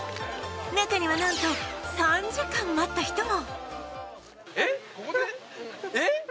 中にはなんと、３時間待った人も。